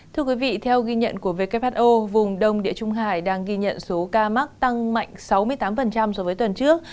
thưa quý vị theo ghi nhận của who vùng đông địa trung hải đang ghi nhận số ca mắc tăng mạnh sáu mươi tám so với tuần trước